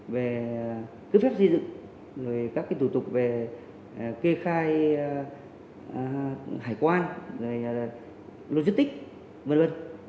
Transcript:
về cướp phép di dự về các thủ tục về kê khai hải quan về logistic v v